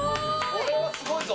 これはすごいぞ。